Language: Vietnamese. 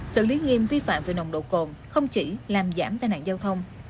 xử lý nghiêm vi phạm về nồng độ cồn không chỉ làm giảm tai nạn giao thông